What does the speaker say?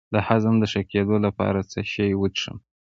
د هضم د ښه کیدو لپاره څه شی وڅښم؟